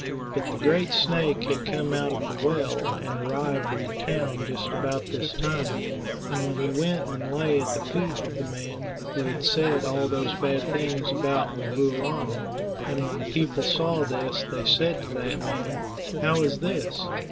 But the great snake had come out of the well and arrived at the town just about this time, and he went and lay at the feet of the man who had said all those bad things about 'Mvoo Laana, and when the people saw this they said to that man: "How is this?